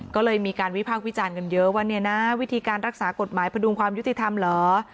ก็เลยมีการวิพากษ์วิจารณ์กันเยอะว่าเนี่ยนะวิธีการรักษากฎหมายพดุงความยุติธรรมเหรอ